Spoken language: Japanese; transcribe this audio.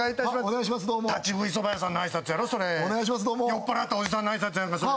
酔っ払ったおじさんの挨拶やんかそれ。